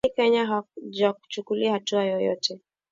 nchini Kenya hawajachukuliwa hatua yoyote